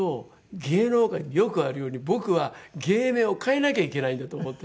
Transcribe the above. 芸能界でよくあるように僕は芸名を変えなきゃいけないんだと思って。